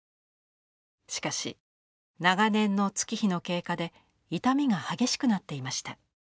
しかし長年の月日の経過で傷みが激しくなっていました。